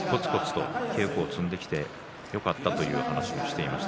稽古を積んできてよかったという話をしています。